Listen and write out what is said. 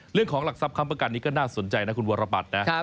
เรื่องของหลักทรัพยคำประกันนี้ก็น่าสนใจนะคุณวรบัตรนะ